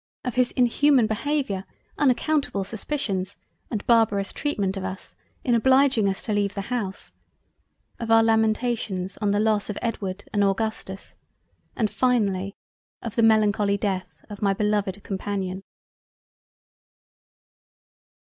of his inhuman Behaviour, unaccountable suspicions, and barbarous treatment of us, in obliging us to leave the House.. of our lamentations on the loss of Edward and Augustus and finally of the melancholy Death of my beloved Companion.